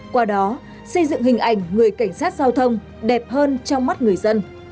qua đó xây dựng hình ảnh người cảnh sát giao thông đẹp hơn trong mắt người dân